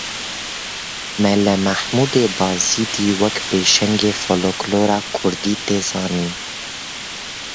Mela Mahmûdê Bazidî wek pêşengê Folklora Kurdî tê zanîn.